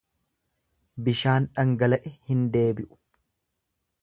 Bishaan dhangala'e hin deebi'u.